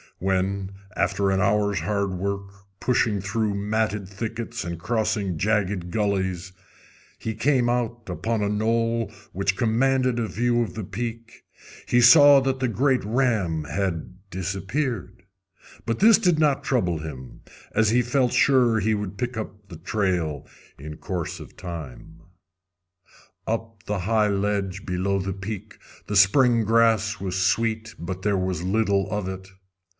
When, after an hour's hard work, pushing through matted thickets and crossing jagged gullies, he came out upon a knoll which commanded a view of the peak, he saw that the great ram had disappeared. But this did not trouble him, as he felt sure he would pick up the trail in course of time. Up on the high ledge below the peak the spring grass was sweet, but there was little of it.